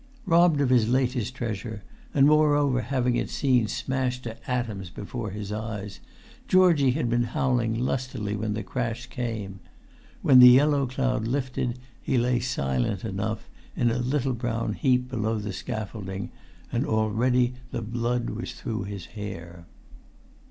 Robbed of his latest treasure, and moreover having seen it smashed to atoms before his eyes, Georgie had been howling lustily when the crash came: when the yellow cloud lifted he lay silent enough, in a little brown heap below the scaffolding, and already the blood was through his hair.